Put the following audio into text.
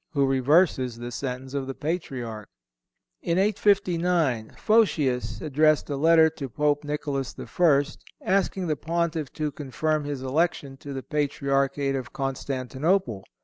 who reverses the sentence of the Patriarch. In 859 Photius addressed a letter to Pope Nicholas I., asking the Pontiff to confirm his election to the Patriarchate of Constantinople.